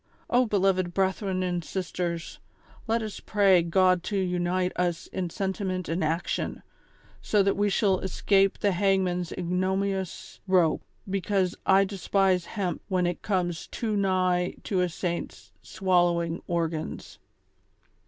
O beloved brethren and sisters, let us pray God to unite us in sentiment and action, so that we shall escape the hangman's ignominious rope ; because I despise hemp when it comes too nigh to a saint's swallowing organs."